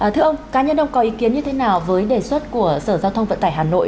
thưa ông cá nhân ông có ý kiến như thế nào với đề xuất của sở giao thông vận tải hà nội